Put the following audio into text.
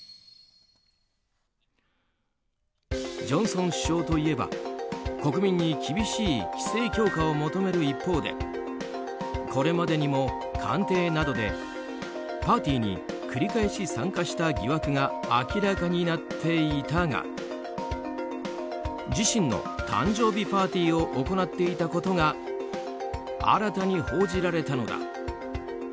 ジョンソン首相といえば国民に厳しい規制強化を求める一方でこれまでにも官邸などでパーティーに繰り返し参加した疑惑が明らかになっていたが自身の誕生日パーティーを行っていたことが新たに報じられたのだ。